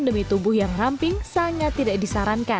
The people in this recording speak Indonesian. demi tubuh yang ramping sangat tidak disarankan